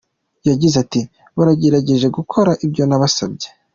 Yagize ati "Bagerageje gukora ibyo nabasabye.